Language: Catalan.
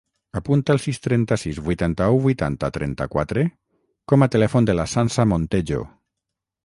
Apunta el sis, trenta-sis, vuitanta-u, vuitanta, trenta-quatre com a telèfon de la Sança Montejo.